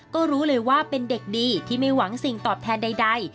ก็รู้เลยว่าเป็นเด็กดีที่ไม่หวังสิ่งตอบแทนใด